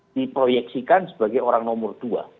diproyeksikan sebagai orang nomor dua